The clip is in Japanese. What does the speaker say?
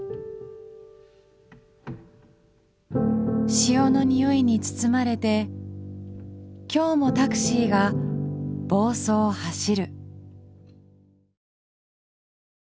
潮の匂いに包まれて今日もタクシーが房総を走る。